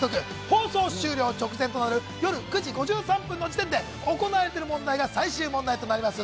放送終了直前となる夜９時５３分の時点で行われている問題が最終問題となります。